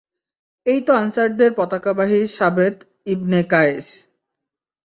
এই তো আনসারদের পতাকাবাহী সাবেত ইবনে কাইস।